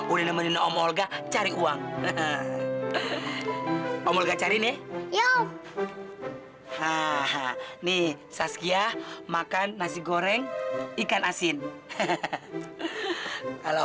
udah nemenin om olga cari uang om olga cari nih yo ha ha nih saskia makan nasi goreng ikan asin kalau